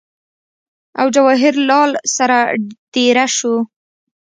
او جواهر لال سره دېره شو